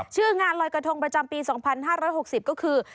ชื่องานลอยกระทงประจำปี๒๕๖๐ก็คือ